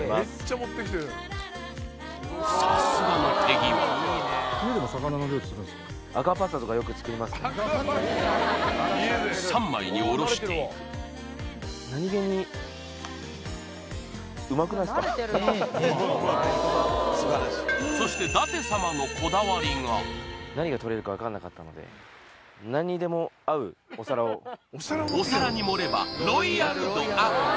さすがの手際三枚におろしていく何気にそして舘様のお皿に盛ればロイヤル度アップ